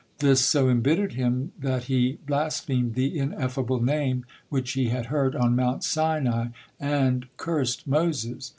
This so embittered him the he blasphemed the Ineffable Name which he had heard on Mount Sinai, and cursed Moses.